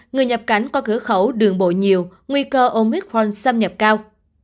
người nhập cảnh có cửa khẩu đường bộ nhiều nguy cơ omicron xâm nhập cao